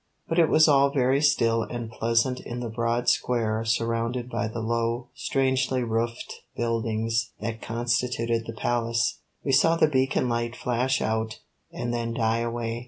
But it was all very still and pleasant in the broad square surrounded by the low, strangely roofed buildings that constituted the Palace. We saw the beacon light flash out and then die away.